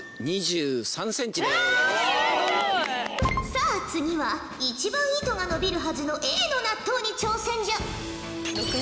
さあ次は一番糸が伸びるはずのＡの納豆に挑戦じゃ！